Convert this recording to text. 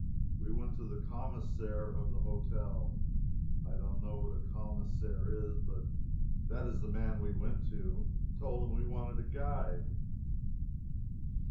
We went to the 'commissionaire' of the hotel I don't know what a 'commissionaire' is, but that is the man we went to and told him we wanted a guide.